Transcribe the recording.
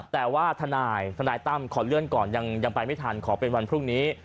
แต่ว่าทนายทนายตั้มขอเลื่อนก่อนยังไปไม่ทันขอเป็นวันพรุ่งนี้